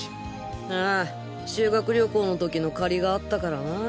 あぁ修学旅行の時の借りがあったからな。